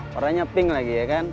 warnanya pink lagi ya kan